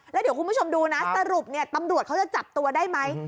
แล้วเดี๋ยวคุณผู้ชมดูนะสรุปเนี่ยตำรวจเขาจะจับตัวได้ไหม